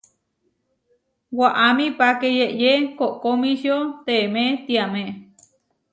Waʼámi páke yeʼyé koʼkomičio teemé tiamé.